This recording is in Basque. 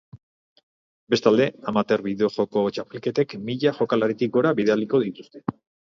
Bestalde, amateur bideojoko txapelketek mila jokalaritik gora bilduko dituzte.